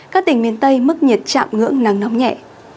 các tỉnh miền tây mức nhiệt chạm ngưỡng nắng nóng nhẹ